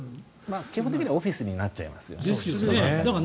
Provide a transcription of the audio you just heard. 基本的にはオフィスになっちゃいますね。